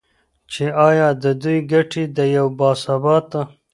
چې ایا د دوی ګټې د یو با ثباته